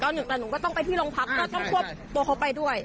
แต่หนูก็ต้องไปที่โรงพักก็ต้องควบตัวเขาไปด้วย